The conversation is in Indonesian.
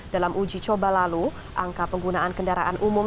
dalam uji coba lalu angka penggunaan kendaraan umum